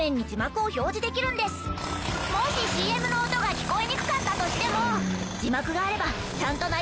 もしＣＭの音が聞こえにくかったとしても。